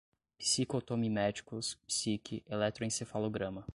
psicotomiméticos, psique, eletroencefalograma